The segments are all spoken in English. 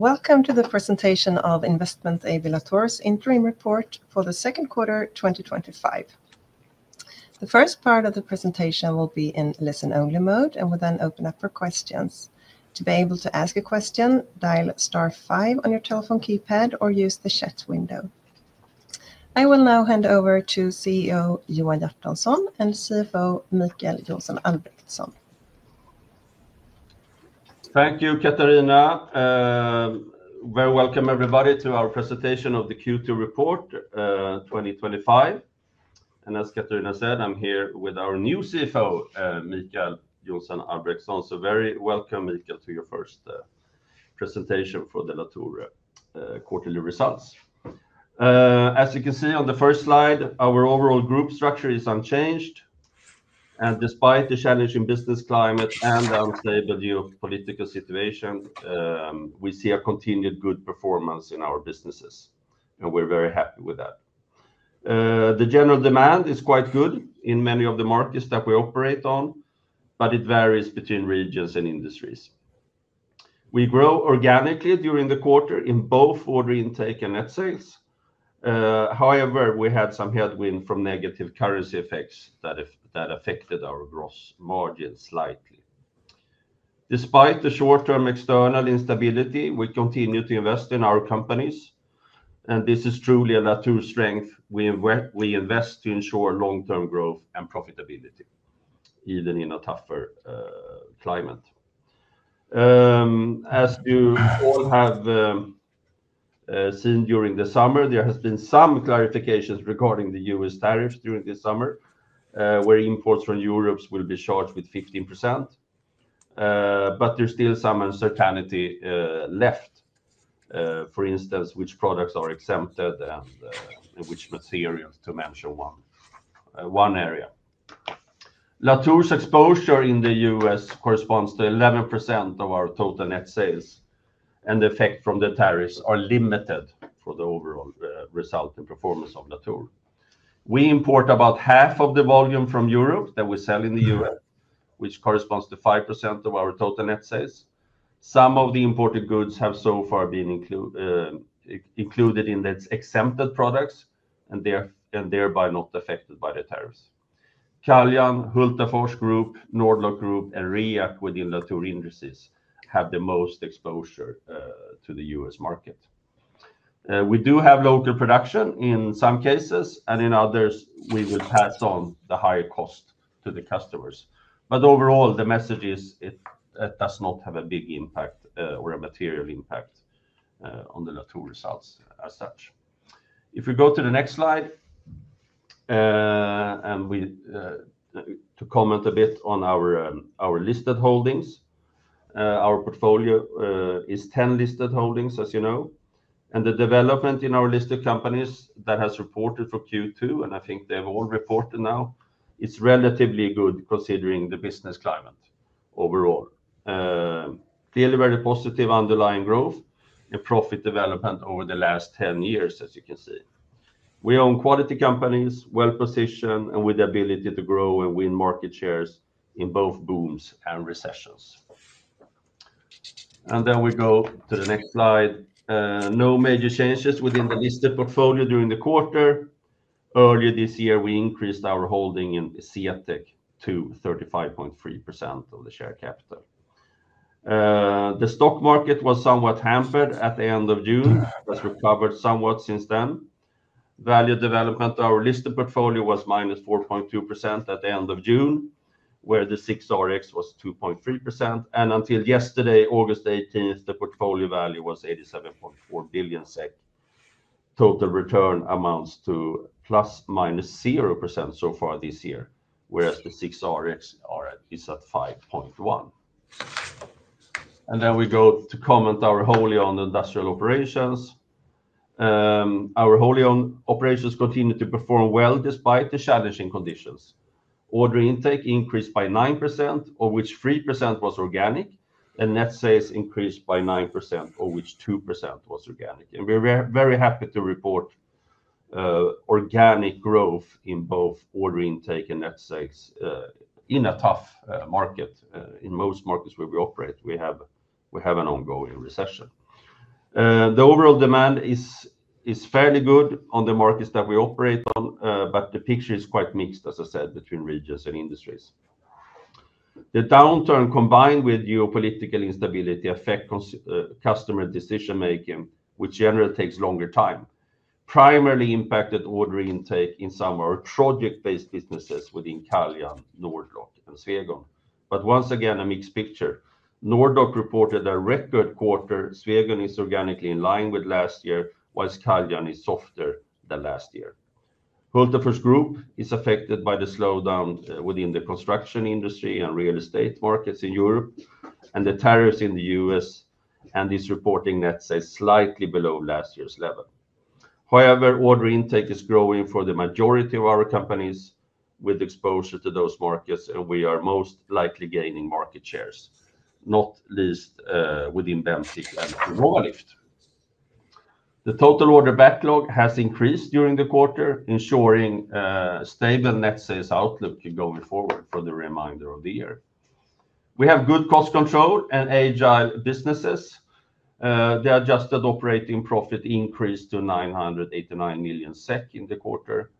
Welcome to the presentation of Investment AB Latour's interim report for the second quarter 2025. The first part of the presentation will be in listen-only mode, and we'll then open up for questions. To be able to ask a question, dial star five on your telephone keypad or use the chat window. I will now hand over to CEO Johan Hjertonsson and CFO Mikael Albrektsson. Thank you, Katarina. Welcome everybody to our presentation of the Q2 report, 2025. As Katarina said, I'm here with our new CFO, Mikael Albrektsson. Very welcome, Mikael, to your first presentation for the Latour quarterly results. As you can see on the first slide, our overall group structure is unchanged. Despite the challenging business climate and the unstable geopolitical situation, we see a continued good performance in our businesses. We're very happy with that. The general demand is quite good in many of the markets that we operate on, but it varies between regions and industries. We grow organically during the quarter in both order intake and net sales. However, we had some headwind from negative currency effects that affected our gross margins slightly. Despite the short-term external instability, we continue to invest in our companies. This is truly a Latour strength. We invest to ensure long-term growth and profitability, even in a tougher climate. As you all have seen during the summer, there has been some clarifications regarding the U.S. tariffs during the summer, where imports from Europe will be charged with 15%. There's still some uncertainty left, for instance, which products are exempted and which materials, to mention one area. Latour's exposure in the U.S. corresponds to 11% of our total net sales, and the effects from the tariffs are limited for the overall result and performance of Latour. We import about half of the volume from Europe that we sell in the U.S., which corresponds to 5% of our total net sales. Some of the imported goods have so far been included in its exempted products and thereby not affected by the tariffs. Carrion, Hulda Fors Group, Nord-Lock Group, and REACT within Latour Industries have the most exposure to the U.S. market. We do have local production in some cases, and in others, we will pass on the higher cost to the customers. Overall, the message is it does not have a big impact, or a material impact, on the Latour results as such. If we go to the next slide, to comment a bit on our listed holdings, our portfolio is ten listed holdings, as you know. The development in our listed companies that have reported for Q2, and I think they've all reported now, is relatively good considering the business climate overall. Clearly very positive underlying growth and profit development over the last ten years, as you can see. We own quality companies, well-positioned, and with the ability to grow and win market shares in both booms and recessions. We go to the next slide. No major changes within the listed portfolio during the quarter. Earlier this year, we increased our holding in SEATEC to 35.3% of the share capital. The stock market was somewhat hampered at the end of June, but recovered somewhat since then. Value development to our listed portfolio was -4.2% at the end of June, where the SIXRX was 2.3%. Until yesterday, August 18, the portfolio value was 87.4 billion SEK. Total return amounts to +/-0% so far this year, whereas the SIXRX is at 5.1%. We go to comment on our wholly-owned industrial operations. Our wholly-owned operations continue to perform well despite the challenging conditions. Order intake increased by 9%, of which 3% was organic, and net sales increased by 9%, of which 2% was organic. We're very happy to report organic growth in both order intake and net sales in a tough market. In most markets where we operate, we have an ongoing recession. The overall demand is fairly good on the markets that we operate on, but the picture is quite mixed, as I said, between regions and industries. The downturn combined with geopolitical instability affects customer decision-making, which generally takes longer time. This primarily impacted order intake in some of our project-based businesses within Carrion, Nord-Lock Group, and Swegon. Once again, a mixed picture. Nord-Lock Group reported a record quarter. Swegon is organically in line with last year, whilst Carrion is softer than last year. Hulda Fors Group is affected by the slowdown within the construction industry and real estate markets in Europe, and the tariffs in the U.S. and is reporting net sales slightly below last year's level. However, order intake is growing for the majority of our companies with exposure to those markets, and we are most likely gaining market shares, not least within Bemsiq and REACT. The total order backlog has increased during the quarter, ensuring a stable net sales outlook going forward for the remainder of the year. We have good cost control and agile businesses. The adjusted operating profit increased to 989 million SEK in the quarter.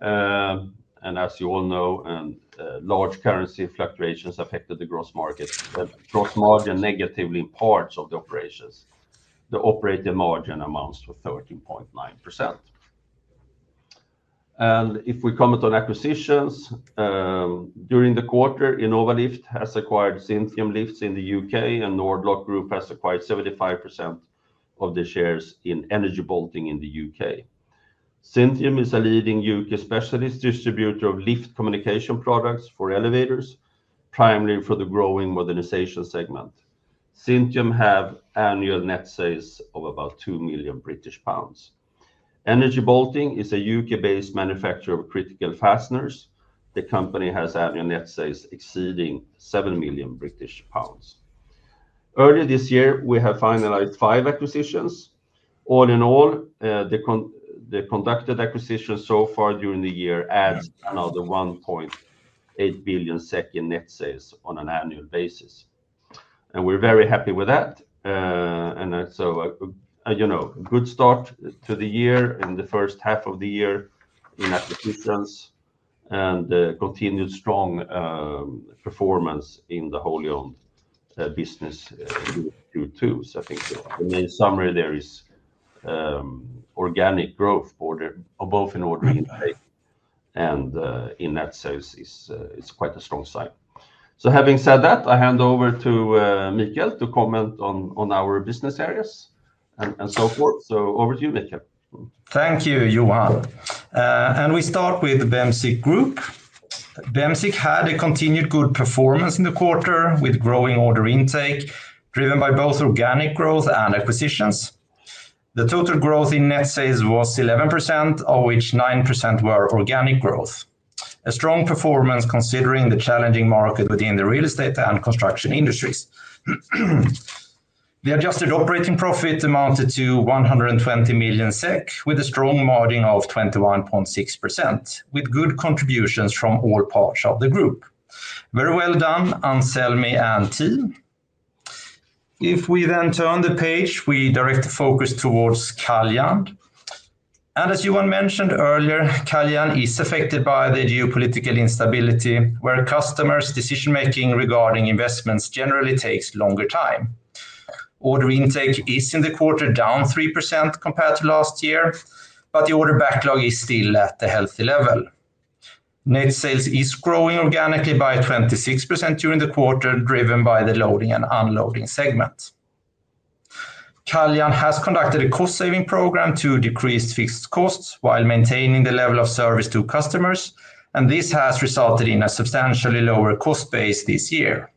As you all know, large currency fluctuations affected the gross margins negatively in parts of the operations. The operating margin amounts to 13.9%. If we comment on acquisitions, during the quarter, Innova Lift has acquired Synthium Lifts in the U.K., and Nord-Lock Group has acquired 75% of the shares in Energy Bolting in the U.K. Synthium is a leading U.K. specialist distributor of lift communication products for elevators, primarily for the growing modernization segment. Synthium has annual net sales of about 2 million British pounds. Energy Bolting is a U.K.-based manufacturer of critical fasteners. The company has annual net sales exceeding 7 million British pounds. Earlier this year, we have finalized five acquisitions. All in all, the conducted acquisitions so far during the year added another 1.8 billion in net sales on an annual basis. We're very happy with that, a good start to the year in the first half of the year in acquisitions and continued strong performance in the wholly-owned business, Q2. I think the main summary there is, organic growth of both in order intake and in net sales is quite a strong sign. Having said that, I hand over to Mikael to comment on our business areas and so forth. Over to you, Mikael. Thank you, Johan. We start with the Bemsiq Group. Bemsiq had a continued good performance in the quarter with growing order intake driven by both organic growth and acquisitions. The total growth in net sales was 11%, of which 9% were organic growth. A strong performance considering the challenging market within the real estate and construction industries. The adjusted operating profit amounted to 120 million SEK with a strong margin of 21.6%, with good contributions from all parts of the group. Very well done, Anders and team. If we then turn the page, we direct the focus towards Carrion. As Johan mentioned earlier, Carrion is affected by the geopolitical instability where customers' decision-making regarding investments generally takes longer time. Order intake is in the quarter down 3% compared to last year, but the order backlog is still at the healthy level. Net sales is growing organically by 26% during the quarter, driven by the loading and unloading segment. Carrion has conducted a cost-saving program to decrease fixed costs while maintaining the level of service to customers, and this has resulted in a substantially lower cost base this year.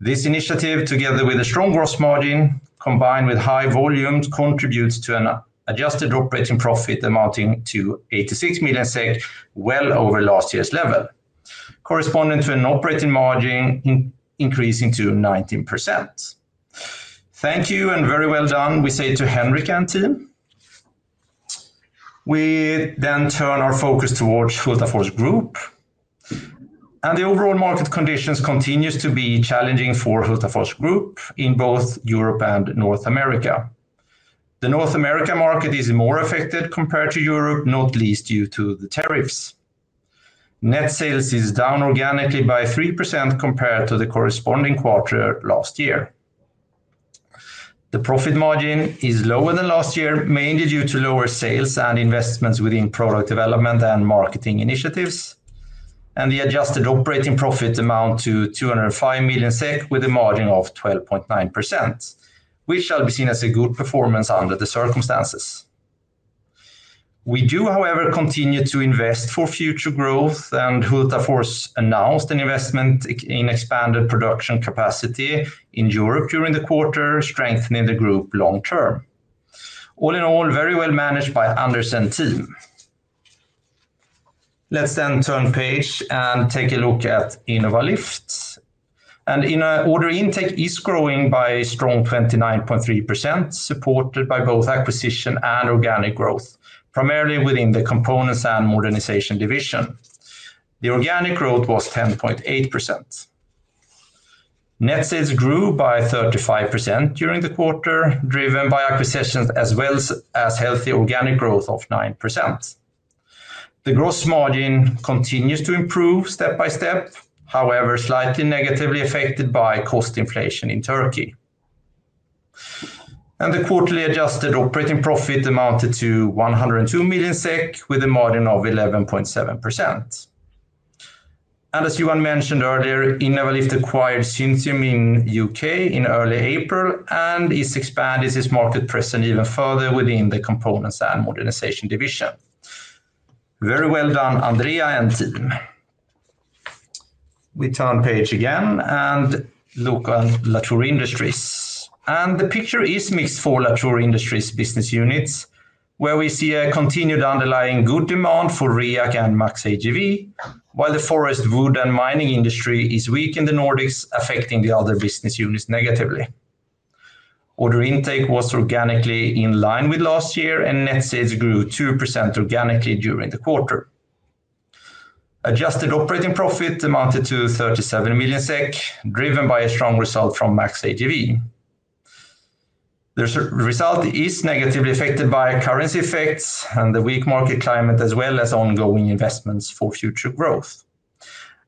This initiative, together with a strong gross margin, combined with high volumes, contributes to an adjusted operating profit amounting to 86 million SEK, well over last year's level, corresponding to an operating margin increasing to 19%. Thank you and very well done, we say to Henrik and team. We then turn our focus towards Hulda Fors Group. The overall market conditions continue to be challenging for Hulda Fors Group in both Europe and North America. The North American market is more affected compared to Europe, not least due to the tariffs. Net sales is down organically by 3% compared to the corresponding quarter last year. The profit margin is lower than last year, mainly due to lower sales and investments within product development and marketing initiatives. The adjusted operating profit amounts to 205 million SEK with a margin of 12.9%, which shall be seen as a good performance under the circumstances. We do, however, continue to invest for future growth, and Hulda Fors announced an investment in expanded production capacity in Europe during the quarter, strengthening the group long term. All in all, very well managed by Anders and team. Let's then turn the page and take a look at Innova Lift. Order intake is growing by a strong 29.3%, supported by both acquisition and organic growth, primarily within the components and modernization division. The organic growth was 10.8%. Net sales grew by 35% during the quarter, driven by acquisitions as well as healthy organic growth of 9%. The gross margin continues to improve step by step, however, slightly negatively affected by cost inflation in Turkey. The quarterly adjusted operating profit amounted to 102 million SEK with a margin of 11.7%. As Johan mentioned earlier, Innova Lift acquired Synthium Lifts in the U.K. in early April and is expanding its market presence even further within the components and modernization division. Very well done, Andrea and team. We turn the page again and look at Latour Industries. The picture is mixed for Latour Industries business units, where we see a continued underlying good demand for REACT and MAX AGV, while the forest wood and mining industry is weak in the Nordics, affecting the other business units negatively. Order intake was organically in line with last year, and net sales grew 2% organically during the quarter. Adjusted operating profit amounted to 37 million SEK, driven by a strong result from MAX AGV. The result is negatively affected by currency effects and the weak market climate, as well as ongoing investments for future growth.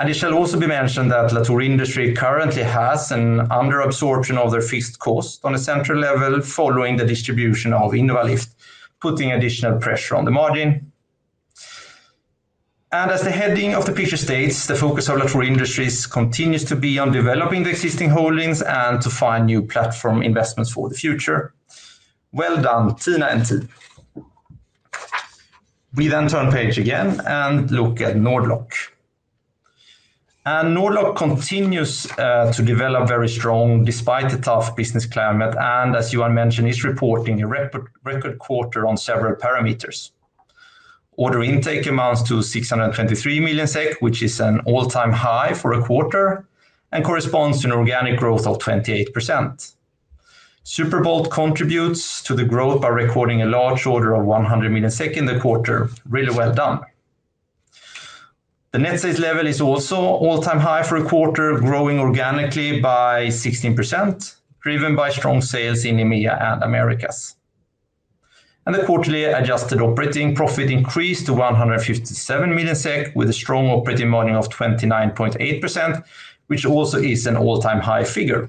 It shall also be mentioned that Latour Industries currently has an underabsorption of their fixed cost on a central level following the distribution of Innova Lift, putting additional pressure on the margin. As the heading of the picture states, the focus of Latour Industries continues to be on developing the existing holdings and to find new platform investments for the future. Very well done, Tina and team. We then turn the page again and look at Nord-Lock Group. Nord-Lock Group continues to develop very strongly despite the tough business climate, and as Johan mentioned, is reporting a record quarter on several parameters. Order intake amounts to 623 million SEK, which is an all-time high for a quarter and corresponds to an organic growth of 28%. Superbolt contributes to the growth by recording a large order of 100 million in the quarter. Really well done. The net sales level is also an all-time high for a quarter, growing organically by 16%, driven by strong sales in EMEA and Americas. The quarterly adjusted operating profit increased to 157 million SEK with a strong operating margin of 29.8%, which also is an all-time high figure.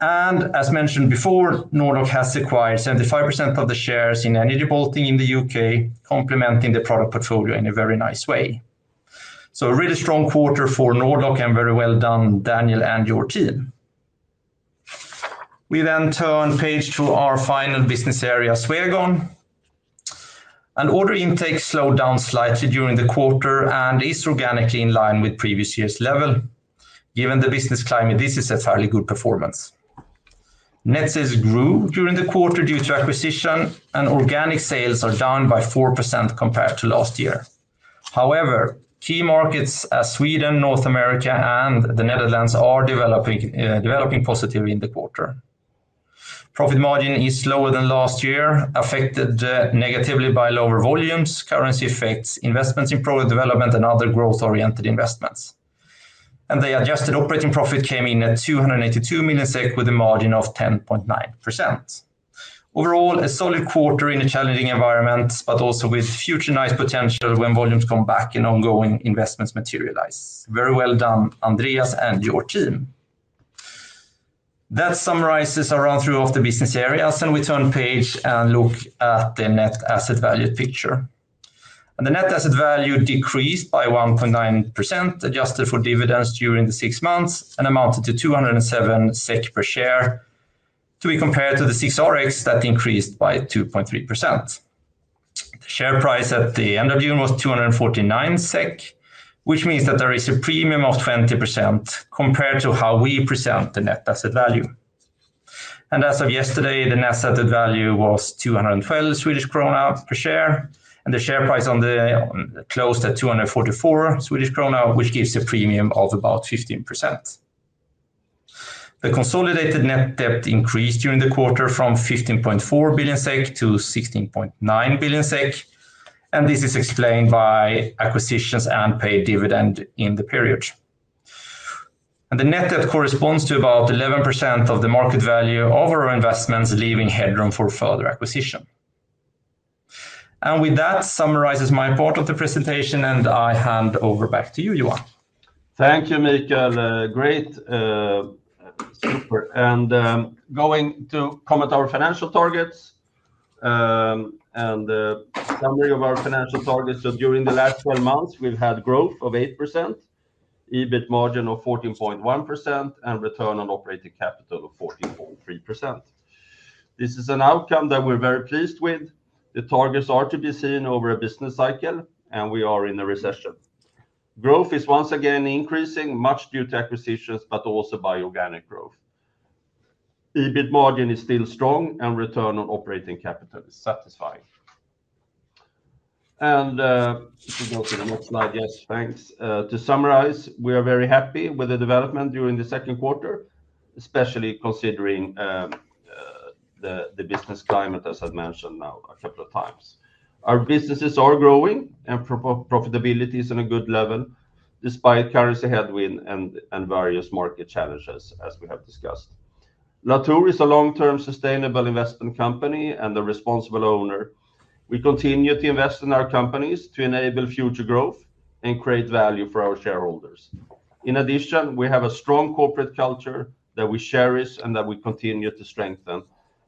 As mentioned before, Nord-Lock Group has acquired 75% of the shares in Energy Bolting in the U.K., complementing the product portfolio in a very nice way. A really strong quarter for Nord-Lock Group and very well done, Daniel and your team. We then turn the page to our final business area, Swegon. Order intake slowed down slightly during the quarter and is organically in line with previous year's level. Given the business climate, this is a fairly good performance. Net sales grew during the quarter due to acquisition, and organic sales are down by 4% compared to last year. However, key markets such as Sweden, North America, and the Netherlands are developing positively in the quarter. Profit margin is lower than last year, affected negatively by lower volumes, currency effects, investments in product development, and other growth-oriented investments. The adjusted operating profit came in at 282 million SEK with a margin of 10.9%. Overall, a solid quarter in a challenging environment, but also with future nice potential when volumes come back and ongoing investments materialize. Very well done, Andreas and your team. That summarizes our run-through of the business areas, and we turn the page and look at the net asset value picture. The net asset value decreased by 1.9%, adjusted for dividends during the six months, and amounted to 207 SEK per share, to be compared to the SIXRX index that increased by 2.3%. The share price at the end of June was 249 SEK, which means that there is a premium of 20% compared to how we present the net asset value. As of yesterday, the net asset value was 212 Swedish krona per share, and the share price on the close at 244 Swedish krona, which gives a premium of about 15%. The consolidated net debt increased during the quarter from 15.4 billion SEK to 16.9 billion SEK, and this is explained by acquisitions and paid dividends in the period. The net debt corresponds to about 11% of the market value of our investments, leaving headroom for further acquisition. With that summarizes my part of the presentation, and I hand over back to you, Johan. Thank you, Mikael. Great. Super. Going to comment on our financial targets and the summary of our financial targets. During the last 12 months, we've had growth of 8%, EBIT margin of 14.1%, and return on operating capital of 14.3%. This is an outcome that we're very pleased with. The targets are to be seen over a business cycle, and we are in a recession. Growth is once again increasing, much due to acquisitions, but also by organic growth. EBIT margin is still strong, and return on operating capital is satisfying. If you go to the next slide, yes, thanks. To summarize, we are very happy with the development during the second quarter, especially considering the business climate, as I've mentioned now a couple of times. Our businesses are growing, and profitability is on a good level despite currency headwind and various market challenges, as we have discussed. Latour is a long-term sustainable investment company and a responsible owner. We continue to invest in our companies to enable future growth and create value for our shareholders. In addition, we have a strong corporate culture that we cherish and that we continue to strengthen,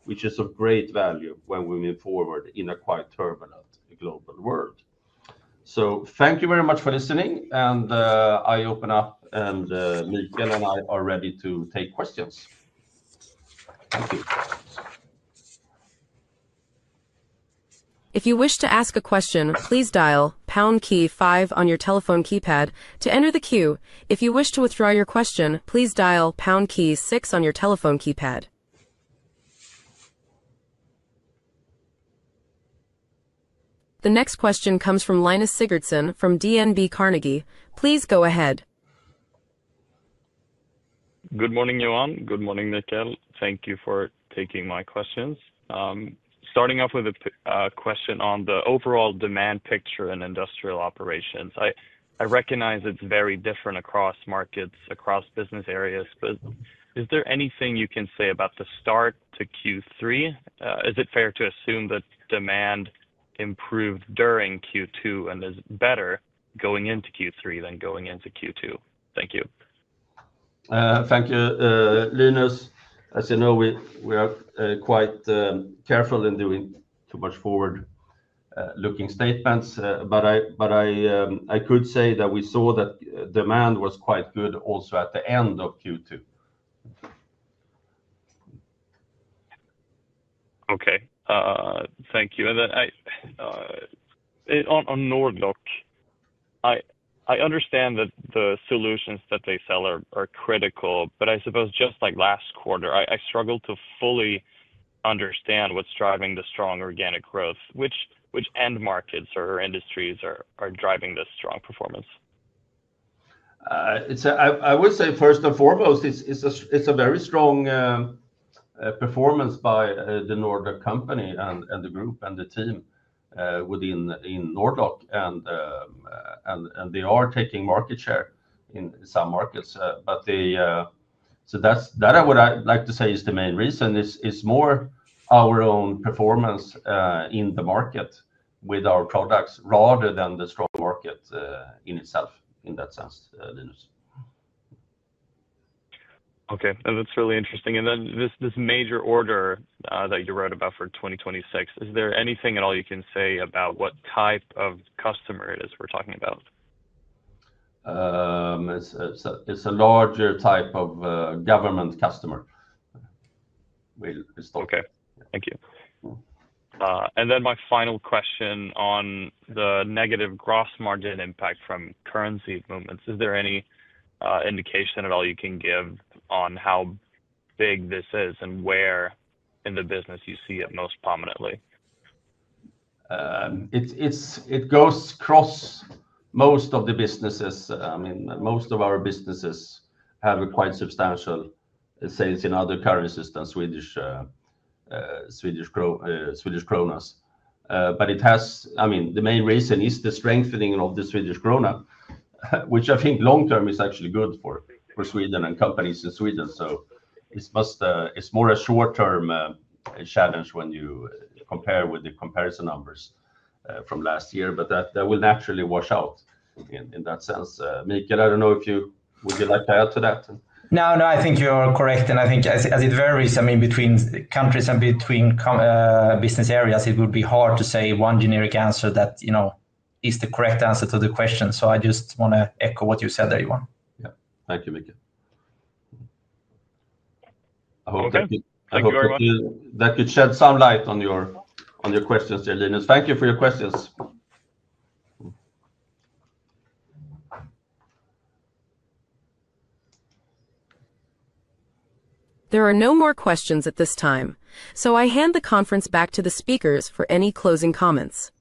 which is of great value when we move forward in a quite turbulent global world. Thank you very much for listening, and I open up, and Mikael and I are ready to take questions. If you wish to ask a question, please dial pound key five on your telephone keypad to enter the queue. If you wish to withdraw your question, please dial pound key six on your telephone keypad. The next question comes from Linus Sigurdson from DNB Carnegie. Please go ahead. Good morning, Johan. Good morning, Mikael. Thank you for taking my questions. Starting off with a question on the overall demand picture in industrial operations. I recognize it's very different across markets, across business areas, but is there anything you can say about the start to Q3? Is it fair to assume that demand improved during Q2 and is better going into Q3 than going into Q2? Thank you. Thank you, Linus. As you know, we are quite careful in doing too much forward-looking statements, but I could say that we saw that demand was quite good also at the end of Q2. Thank you. On Nord-Lock Group, I understand that the solutions that they sell are critical. I suppose just like last quarter, I struggle to fully understand what's driving the strong organic growth. Which end markets or industries are driving this strong performance? I would say first and foremost, it's a very strong performance by the Nord-Lock Group and the group and the team within Nord-Lock, and they are taking market share in some markets. That's what I would like to say is the main reason. It's more our own performance in the market with our products rather than the stock market in itself in that sense, Linus. Okay. That's really interesting. This major order that you wrote about for 2026, is there anything at all you can say about what type of customer it is we're talking about? It's a larger type of government customer. Thank you. My final question on the negative gross margin impact from currency movements: is there any indication at all you can give on how big this is and where in the business you see it most prominently? It goes across most of the businesses. I mean, most of our businesses have quite substantial sales in other currencies than Swedish krona. It has, I mean, the main reason is the strengthening of the Swedish krona, which I think long term is actually good for Sweden and companies in Sweden. It is more a short-term challenge when you compare with the comparison numbers from last year, but that will naturally wash out in that sense. Mikael, I don't know if you would like to add to that. No, I think you're correct. I think as it varies between countries and between business areas, it would be hard to say one generic answer that is the correct answer to the question. I just want to echo what you said there, Johan. Thank you, Mikael. I hope that could shed some light on your questions, Linus. Thank you for your questions. There are no more questions at this time. I hand the conference back to the speakers for any closing comments.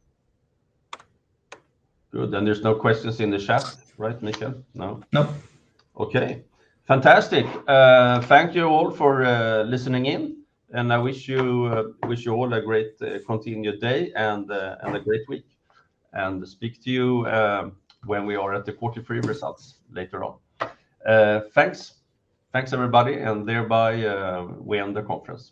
Good. There's no questions in the chat, right, Mikael? No. Nope. Okay. Fantastic. Thank you all for listening in. I wish you all a great continued day and a great week. Speak to you when we are at the quarter three results later on. Thanks. Thanks, everybody. Thereby, we end the conference.